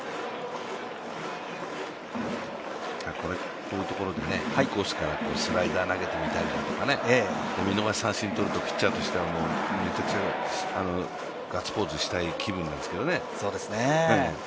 こういうところでインコースからスライダー投げてみたりとか、見逃し三振とるとピッチャーとしてはめちゃくちゃガッツポーズしたい気分なんですけどね。